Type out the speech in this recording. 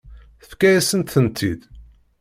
Tefka-yasent-tent-id.